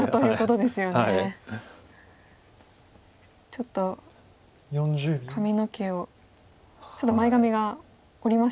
ちょっと髪の毛をちょっと前髪が下りましたね。